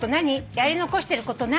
『やり残してること何？』